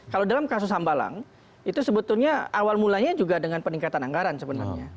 kalau dalam kasus hambalang itu sebetulnya awal mulanya juga dengan peningkatan anggaran sebenarnya